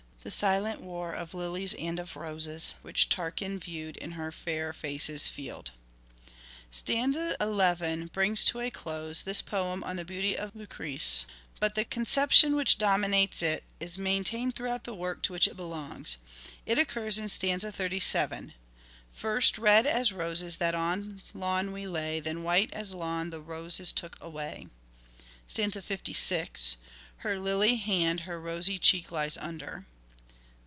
This silent war of lilies and of roses, Which Tarquin view'd in her fair face's field." Stanza 11 brings to a close this pcem on the beauty of Lucrece ; but the conception which dcrninatjes it LYRIC POETRY OF EDWARD DE VERE 177 is maintained throughout the work to which it belongs. It occurs in stanza 37 :— "First red as roses that on lawn we lay, Then white as lawn the roses took away." Stanza 56. " Her lily hand her rosy cheek lies under."